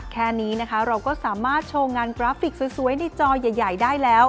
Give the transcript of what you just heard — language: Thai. แค่นี้นะคะเราก็สามารถโชว์งานกราฟิกสวยในจอใหญ่ได้แล้ว